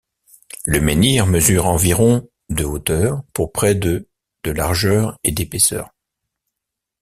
Le menhir mesure environ de hauteur, pour près de de largeur et d'épaisseur.